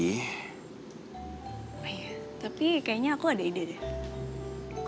iya tapi kayaknya aku ada ide deh